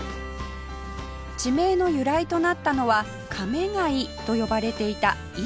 地名の由来となったのは「亀ケ井」と呼ばれていた井戸